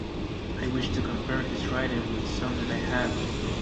I wish to compare his writing with some that I have.